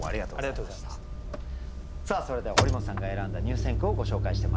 さあそれでは堀本さんが選んだ入選句をご紹介してまいりましょう。